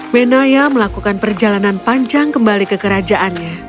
menaya melakukan perjalanan panjang kembali ke kerajaannya